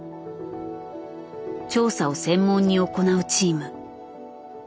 調査を専門に行うチーム。